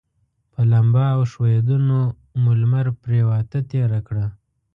په لمبا او ښویندیو مو لمر پرېواته تېره کړه.